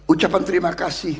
ucapan terima kasih